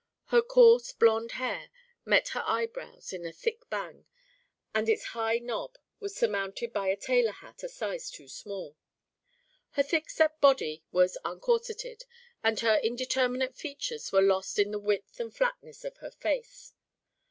Her coarse blonde hair met her eyebrows in a thick bang, and its high knob was surmounted by a sailor hat a size too small. Her thick set body was uncorseted, and her indeterminate features were lost in the width and flatness of her face.